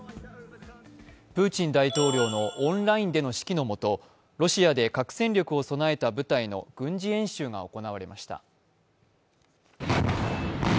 プーチン大統領のオンラインでの指揮の下、ロシアで核戦力を備えた部隊の軍事演習が行われました。